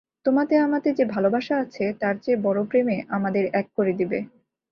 তোমাতে আমাতে যে ভালোবাসা আছে তার চেয়ে বড়ো প্রেমে আমাদের এক করে দেবে।